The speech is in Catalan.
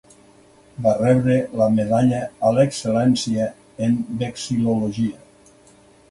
Va rebre la medalla a l'excel·lència en vexil·lologia.